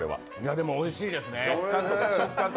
でも、おいしいですね。